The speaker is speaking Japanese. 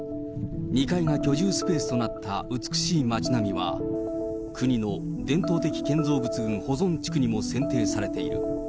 ２階が居住スペースとなった美しい町並みは、国の伝統的建造物群保存地区にも選定されている。